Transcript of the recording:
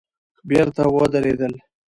بېرته ودرېدل.